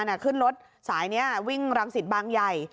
ขึ้นรถสายนี้วิ่งรังสิตบางใหญ่